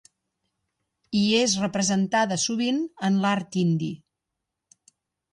I és representada sovint en l'art indi.